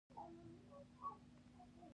بل محقق په خوشال بابا پسې اخیستې وي.